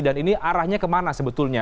dan ini arahnya kemana sebetulnya